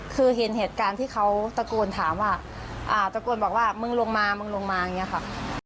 คือเห็นเหตุการณ์ที่เขาตะโกนถามว่าตะโกนบอกว่ามึงลงมามึงลงมาอย่างนี้ค่ะ